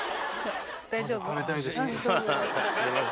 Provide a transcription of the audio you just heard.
食べたいです。